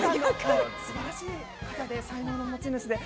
素晴らしい方で才能の持ち主で。